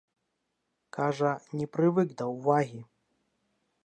Кажа, не прывык да ўвагі.